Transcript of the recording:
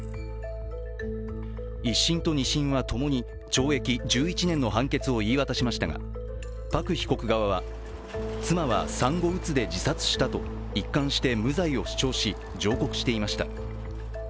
１審と２審はともに懲役１１年の判決を言い渡しましたがパク被告側は、妻は産後うつで自殺したと一貫して無罪を主張し、上告していました。